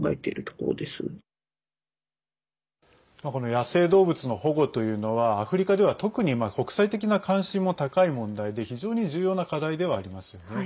野生動物の保護というのはアフリカでは特に国際的な関心も高い問題で非常に重要な課題ではありますよね。